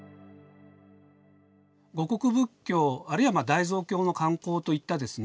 護国仏教あるいは大蔵経の刊行といったですね